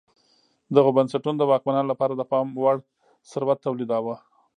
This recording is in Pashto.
دغو بنسټونو د واکمنانو لپاره د پام وړ ثروت تولیداوه